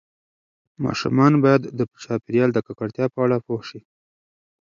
ماشومان باید د چاپیریال د ککړتیا په اړه پوه شي.